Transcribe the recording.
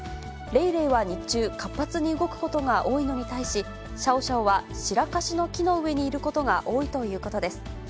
レイレイは日中、活発に動くことが多いのに対し、シャオシャオはシラカシの木の上にいることが多いということです。